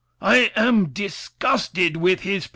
I am disgusted with his people!